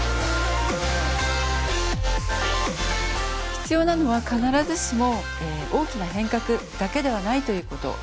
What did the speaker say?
必要なのは必ずしも大きな変革だけではないということ。